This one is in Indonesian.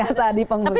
ya saat dipenghujung